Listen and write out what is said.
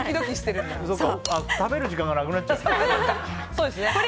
食べる時間がなくなっちゃう。